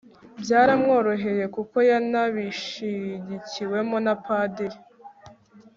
byaramworoheye kuko yanabishigikiwemo n'abapadiri